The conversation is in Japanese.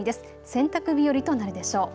洗濯日和となるでしょう。